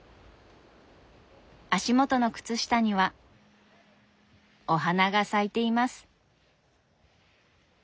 足元の靴下にはお花が咲いています。